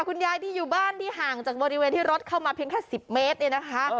คุณยายที่อยู่บ้านที่ห่างจากบริเวณที่รถเข้ามาเพียงแค่๑๐เมตรเนี่ยนะคะ